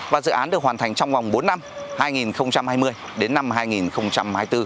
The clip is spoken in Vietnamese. và dự án được hoàn thành trong vòng bốn năm hai nghìn hai mươi đến năm hai nghìn hai mươi bốn